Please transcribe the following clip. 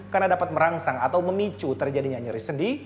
karena dapat merangsang atau memicu terjadinya nyeri sendi